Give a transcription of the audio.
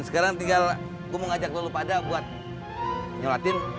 sekarang tinggal gue mau ngajak dulu pada buat ngelatin